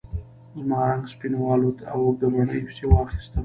زما رنګ سپین والوت او ګبڼۍ پسې واخیستم.